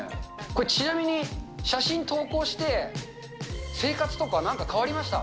これ、ちなみに写真投稿して、生活とかなんか変わりました？